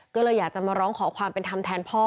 ก็เลยอยากจะมาร้องขอความเป็นธรรมแทนพ่อ